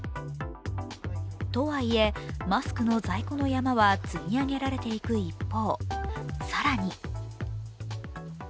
とはいえ、マスクの在庫の山は積み上げられていく一方。